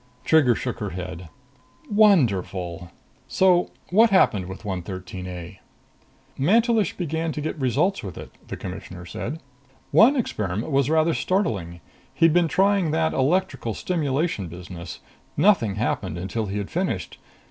Trigger shook her head. "Wonderful! So what happened with 113 A?" "Mantelish began to get results with it," the Commissioner said. "One experiment was rather startling. He'd been trying that electrical stimulation business. Nothing happened until he had finished.